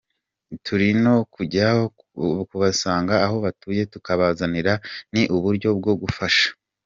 Turi no kujya kubasanga aho batuye tukabizanira, ni uburyo bwo gufasha.